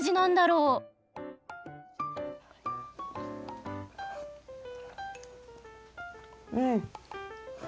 うん！